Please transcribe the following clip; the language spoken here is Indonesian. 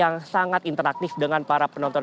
yang sangat interaktif dengan para penonton